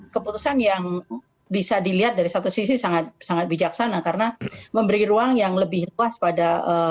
keputusan yang bisa dilihat dari satu sisi sangat bijaksana karena memberi ruang yang lebih luas pada